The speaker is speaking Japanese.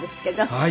はい。